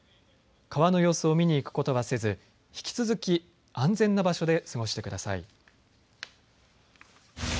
川の様子を見に行くことはせず引き続き安全な場所で過ごしてください。